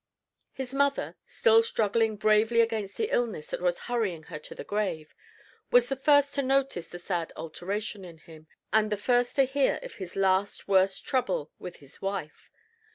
His mother, still struggling bravely against the illness that was hurrying her to the grave, was the first to notice the sad alteration in him, and the first to hear of his last worst trouble with his wife.